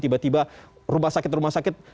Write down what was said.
tiba tiba rumah sakit rumah sakit